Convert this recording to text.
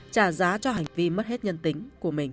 trả giá cho hành vi mất hết nhân tính của mình